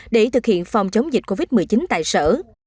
để thực hiện phòng chống dịch covid một mươi chín tại sở